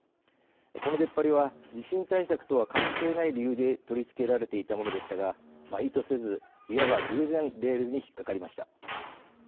この出っ張りは地震対策とは関係ない理由で取り付けられていたものでしたが意図せず、いわば偶然レールに引っ掛かりました。